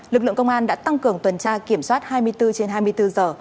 lực lượng công an đã tăng cường tuần tra kiểm soát hai mươi bốn trên hai mươi bốn giờ